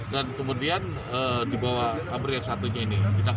dan kemudian dibawa kabur yang satunya ini